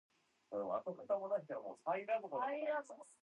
The population of Beaumont has never been large.